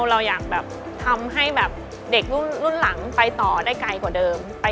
เราอยากแบบทำให้แบบเด็กรุ่นหลังไปต่อได้ไกลกว่าเดิม